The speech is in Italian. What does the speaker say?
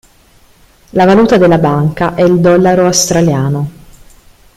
La valuta della banca è il Dollaro australiano.